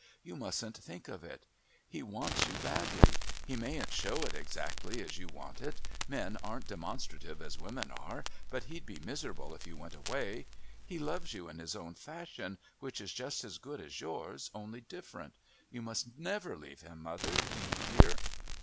"You mustn't think of it. He wants you badly. He mayn't show it exactly as you want it. Men aren't demonstrative as women are, but he'd be miserable if you went away. He loves you in his own fashion, which is just as good as yours, only different. You must never leave him, mother, do you hear?"